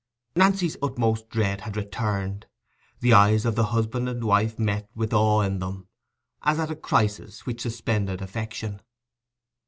Nancy's utmost dread had returned. The eyes of the husband and wife met with awe in them, as at a crisis which suspended affection.